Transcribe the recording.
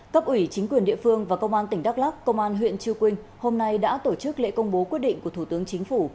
cấp ủy chính quyền địa phương và công an tỉnh đắk lắc công an huyện chư quynh hôm nay đã tổ chức lễ công bố quyết định của thủ tướng chính phủ